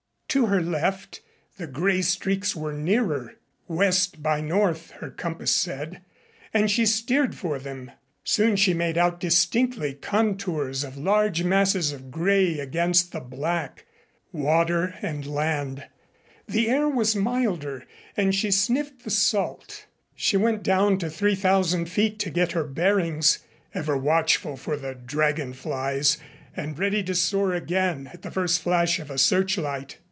To her left the gray streaks were nearer west by north her compass said, and she steered for them. Soon she made out distinctly contours of large masses of gray against the black water and land. The air was milder and she sniffed the salt. She went down to three thousand feet to get her bearings, ever watchful for the dragon flies and ready to soar again at the first flash of a searchlight.